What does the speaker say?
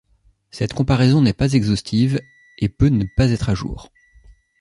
Cette comparaison n'est pas exhaustive et peut ne pas être à jour.